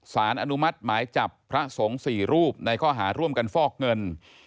สารอนุมัติหมายจับพระสงฆ์๔รูปในข้อหาร่วมกันฟอกเงิน